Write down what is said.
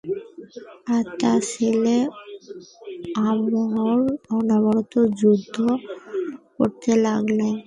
আর তাঁর ছেলে আমর অনবরত যুদ্ধ করতে লাগলেন।